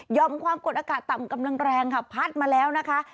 ความกดอากาศต่ำกำลังแรงค่ะพัดมาแล้วนะคะ